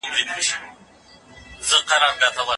غوره چانس یوازي مستحقو خلګو ته نه سي ورکول کېدلای.